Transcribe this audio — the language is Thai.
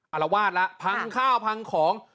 เอาละวาดละพังข้าวพังของ